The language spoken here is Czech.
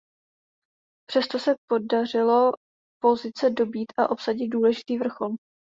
Přesto se podařilo pozice dobýt a obsadit důležitý vrchol.